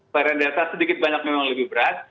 varian delta sedikit banyak memang lebih berat